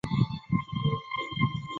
机器人。